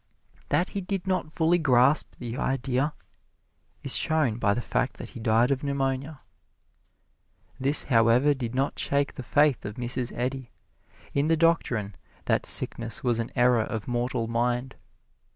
That he did not fully grasp the idea is shown by the fact that he died of pneumonia. This, however, did not shake the faith of Mrs. Eddy in the doctrine that sickness was an error of mortal mind.